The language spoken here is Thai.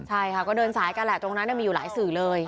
ใช่ค่ะก็เดินสายกันแหละตรงนั้นมีอยู่หลายสื่อเลย